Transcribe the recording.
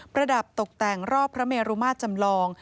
ระดับตกแต่งรอบพระเมรุมาตรจำลอง